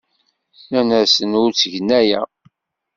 Nnan-asen ur ttgen aya.